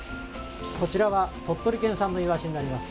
こちらは鳥取県産のイワシになります。